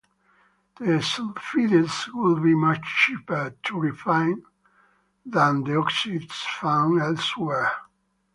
The sulphides would be much cheaper to refine than the oxides found elsewhere.